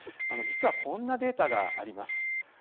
実は、こんなデータがあります。